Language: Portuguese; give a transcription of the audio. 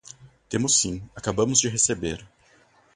Temos sim, acabamos de receber.